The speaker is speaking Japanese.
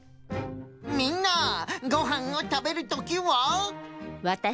みんなごはんを食べるときは。